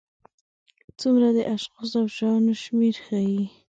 څومره د اشخاصو او شیانو شمېر ښيي.